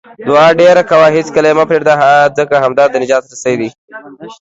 دعاء ډېره کوه، هیڅکله یې مه پرېږده، ځکه همدا د نجات رسۍ ده